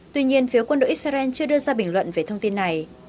tuy nhiên phiếu quân đội israel chưa đưa ra bình luận về thông tin này